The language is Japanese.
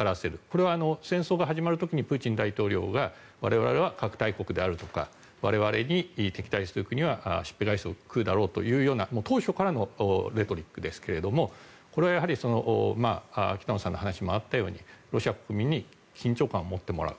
これは戦争が始まる時にプーチン大統領が我々は核大国であるとか我々に敵対する国はしっぺ返しを食らうだろうという当初からのレトリックですけれどもこれは北野さんの話にもあったようにロシア国民に緊張感を持ってもらう。